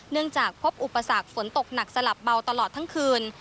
จากพบอุปสรรคฝนตกหนักสลับเบาตลอดทั้งคืน